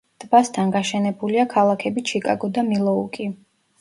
ტბასთან გაშენებულია ქალაქები ჩიკაგო და მილუოკი.